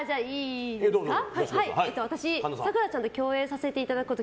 私、咲楽ちゃんと共演させていただくこと。